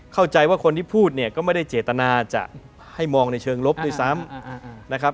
เข้าใจว่าคนที่พูดเนี่ยก็ไม่ได้เจตนาจะให้มองในเชิงลบด้วยซ้ำนะครับ